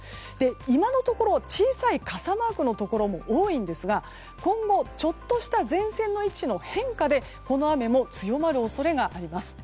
今のところ小さい傘マークのところも多いんですが今後、ちょっとした前線の位置の変化でこの雨も強まる恐れがあります。